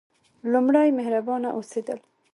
لومړی: مهربانه اوسیدل.